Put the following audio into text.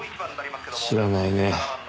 知らないね。